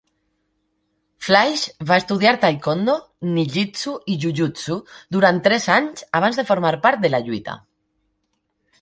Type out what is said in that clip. Fleisch va estudiar taekwondo, ninjitsu i jujutsu durant tres anys abans de formar part de la lluita.